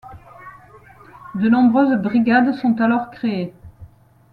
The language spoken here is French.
De nombreuses brigades sont alors créées.